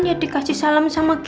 ya dikasih salam sama kita